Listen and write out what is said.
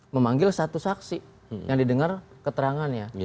memanggil satu saksi yang didengar keterangannya